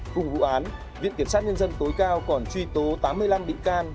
cùng vụ án viện kiểm sát nhân dân tối cao còn truy tố tám mươi năm bị can